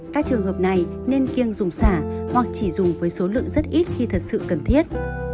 các trường hợp này nên kiêng dùng xả hoặc chỉ dùng với số lượng rất ít khi thật sự cần thiết